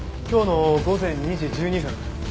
今日の午前２時１２分